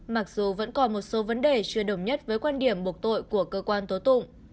mặc dù vẫn còn một số vấn đề chưa đồng nhất với quan điểm buộc tội của cơ quan tố tụng